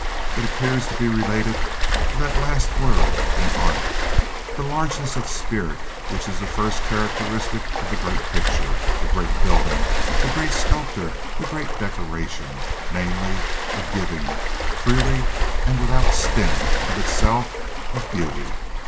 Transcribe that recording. It appears to be related to that last word in art, that largeness of spirit which is the first characteristic of the great picture, the great building, the great sculpture, the great decoration—namely, a giving, freely and without stint, of itself, of beauty.